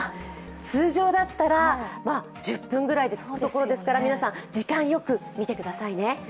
通常だったら１０分ぐらいで着くところですから時間、よく見てくださいね。